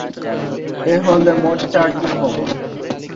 এই হলে রয়েছে মোট চারটি ভবন।